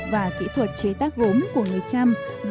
và kỹ thuật chế tác gốm của người trăm